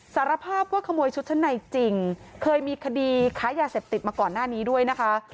สารภาพว่าขโมยชุดชั้นในจริงเคยมีคดีค้ายาเสพติดมาก่อนหน้านี้ด้วยนะคะ